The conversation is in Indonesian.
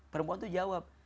perempuan itu jawab